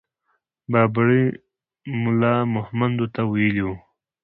بابړي ملا مهمندو ته ويلي وو.